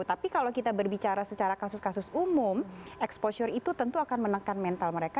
tapi kalau kita berbicara secara kasus kasus umum exposure itu tentu akan menekan mental mereka